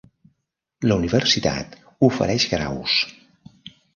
La universitat ofereix graus.